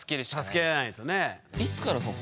助けないとね。